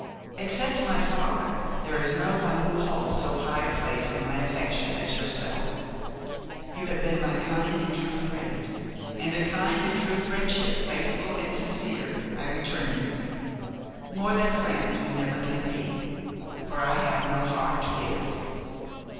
Except my father, there is no one who holds so high a place in my affection as yourself. You have been my kind and true friend; and a kind and true friendship, faithful and sincere, I return you. More than friends we never can be, for I have no heart to give.